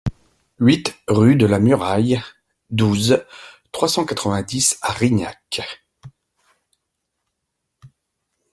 huit rue de la Muraille, douze, trois cent quatre-vingt-dix à Rignac